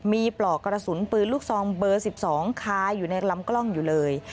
มีปลอกกระสุนปืนลูกซองเบอร์๑๒คาอยู่ในลำกล้องอยู่เลย